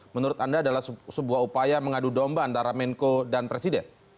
menurut anda adalah sebuah upaya mengadu domba antara menko dan presiden